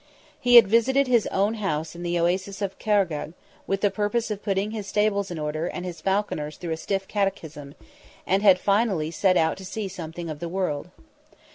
He had visited his own house in the Oasis of Khargegh, with the purpose of putting his stables in order and his falconers through a stiff catechism, and had finally set out to see something of the world.